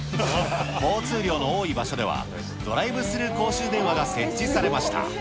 交通量の多い場所では、ドライブスルー公衆電話が設置されました。